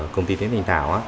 công ty tính thành tạo